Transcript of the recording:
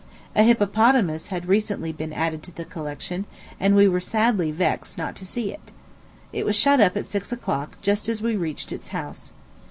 A hippopotamus had recently been added to the collection, and we were sadly vexed not to see it. It was shut up at six o'clock, just as we reached its house.